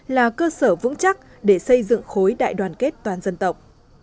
là cơ sở vững chắc để xây dựng khối đại đoàn kết toàn dân tộc